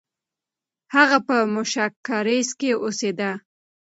هغه په موشک کارېز کې اوسېده.